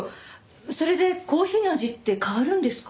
それでコーヒーの味って変わるんですか？